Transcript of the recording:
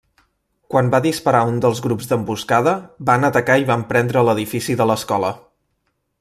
Quan va disparar un dels grups d'emboscada, van atacar i van prendre l'edifici de l'escola.